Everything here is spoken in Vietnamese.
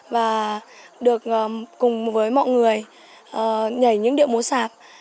và được cùng với mọi người nhảy những điệu múa sạp